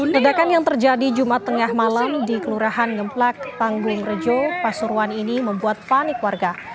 ledakan yang terjadi jumat tengah malam di kelurahan ngeplak panggung rejo pasuruan ini membuat panik warga